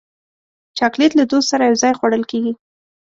چاکلېټ له دوست سره یو ځای خوړل کېږي.